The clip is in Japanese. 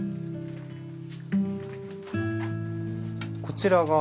こちらが。